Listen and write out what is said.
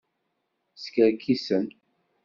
Skerkisen.